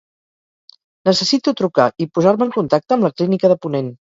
Necessito trucar i posar-me en contacte amb la Clínica de Ponent.